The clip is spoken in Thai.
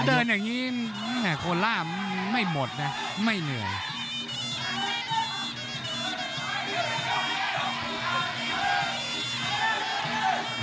เดินอย่างนี้โคล่าไม่หมดนะไม่เหนื่อย